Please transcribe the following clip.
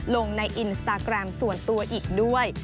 ลงในอินสตาแกรมส่วนตัวอีกด้วย